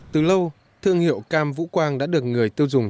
từ lâu thương hiệu cam vũ quang đã được người tiêu dùng